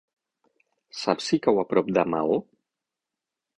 Saps si cau a prop de Maó?